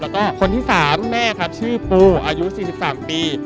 แล้วก็คนที่๓แม่ครับชื่อปูอายุ๔๓ปี